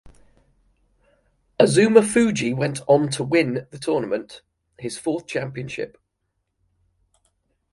Azumafuji went on to win the tournament, his fourth championship.